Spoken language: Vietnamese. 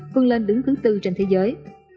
phương lên đứng thứ bốn trên thế giới